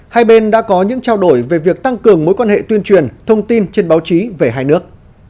hai bên đã có những trao đổi về việc tăng cường mối quan hệ tuyên truyền thông tin trên báo chí về hai nước